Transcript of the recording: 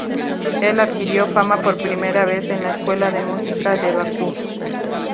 Él adquirió fama por primera vez en la Escuela de Música de Bakú.